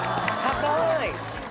高い！